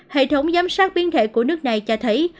hệ thống giám sát biến thể của nước này cho thấy